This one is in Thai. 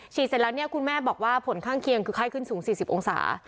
เสร็จแล้วเนี่ยคุณแม่บอกว่าผลข้างเคียงคือไข้ขึ้นสูง๔๐องศา